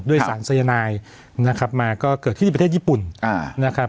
ด้วยสารสยนายนะครับมาก็เกิดที่ในประเทศญี่ปุ่นอ่านะครับ